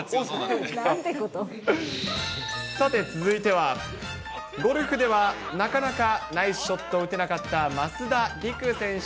さて、続いては、ゴルフではなかなかナイスショットを打てなかった増田陸選手。